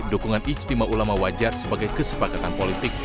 dukungan ijtima ulama wajar sebagai kesepakatan politik